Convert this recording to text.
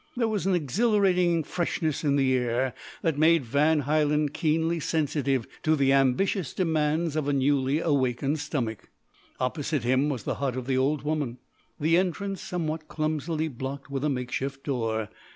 There was an exhilarating freshness in the air that made Van Hielen keenly sensitive to the ambitious demands of a newly awakened stomach. Opposite him was the hut of the old woman, the entrance somewhat clumsily blocked with a makeshift door.